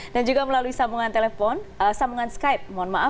dan juga melalui sambungan skype